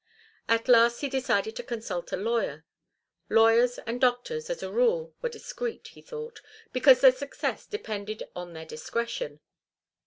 At last he decided to consult a lawyer. Lawyers and doctors, as a rule, were discreet, he thought, because their success depended on their discretion.